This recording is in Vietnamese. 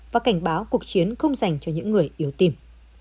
và cảnh báo cuộc chiến không dành cho những người yếu tìm